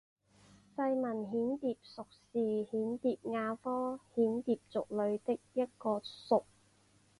细纹蚬蝶属是蚬蝶亚科蚬蝶族里的一个属。